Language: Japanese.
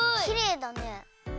きれいだね。